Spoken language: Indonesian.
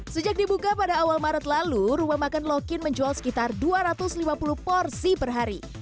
sejak dibuka pada awal maret lalu rumah makan lokin menjual sekitar dua ratus lima puluh porsi per hari